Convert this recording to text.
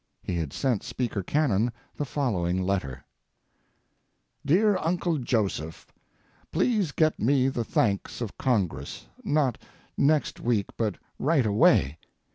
He had sent Speaker Cannon the following letter: "DEAR UNCLE JOSEPH, Please get me the thanks of Congress, not next week but right away.